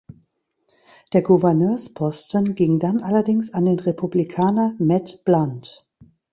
Der Gouverneursposten ging dann allerdings an den Republikaner Matt Blunt.